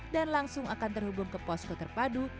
dan langsung akan terhubung ke pos keterpadu